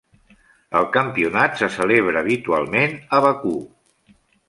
El campionat se celebra habitualment a Bakú.